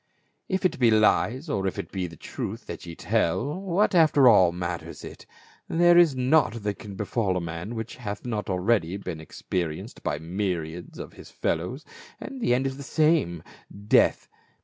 If it be Hcs, or if it be truth that ye tell, what after all matters it ; there is naught that can befall a man which hath not already been ex perienced by myriads of his fellows, and the end is the same — death.